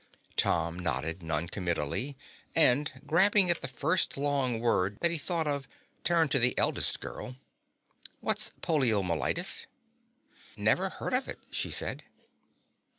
Tom nodded noncommittally and, grabbing at the first long word that he thought of, turned to the eldest girl. "What's poliomyelitis?" "Never heard of it," she said.